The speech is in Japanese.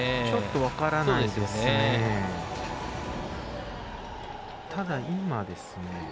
ちょっと分からないですね。